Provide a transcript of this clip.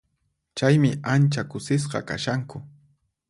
Chaymi ancha kusisqa kashanku.